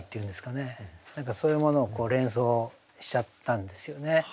何かそういうものを連想しちゃったんですよね。